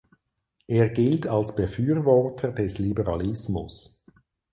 Er gilt als Befürworter des Liberalismus.